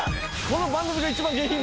この番組が一番下品。